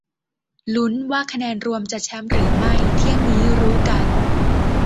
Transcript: ลุ้น ว่าคะแนนรวมจะแชมป์หรือไม่ เที่ยงนี้รู้กัน